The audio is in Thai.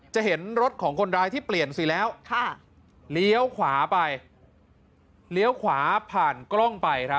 จะเห็นรถของคนร้ายที่เปลี่ยนสิแล้วเลี้ยวขวาไปเลี้ยวขวาผ่านกล้องไป